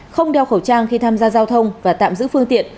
không đeo khẩu trang khi tham gia giao thông và tạm giữ phương tiện